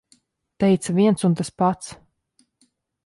Teica - viens un tas pats.